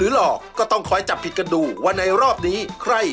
แล้วสมัยชายบอกไชสิงเยีย